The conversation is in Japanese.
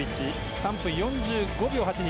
３分４５秒８２。